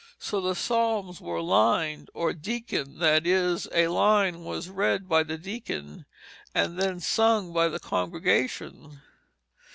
So the psalms were "lined" or "deaconed"; that is, a line was read by the deacon, and then sung by the congregation.